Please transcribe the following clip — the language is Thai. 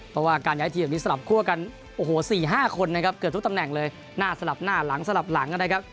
เพราะว่าการย้ายทีมแบบนี้สลับคั่วกันโอ้โห๔๕คนนะครับเกือบทุกตำแหน่งเลยหน้าสลับหน้าหลังสลับหลังนะครับ